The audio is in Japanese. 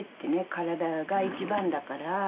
体が一番だから。